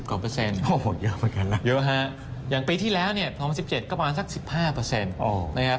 เปอร์เซ็นต์โอ้โหเยอะเหมือนกันนะเยอะฮะอย่างปีที่แล้วเนี่ย๒๐๑๗ก็ประมาณสัก๑๕นะครับ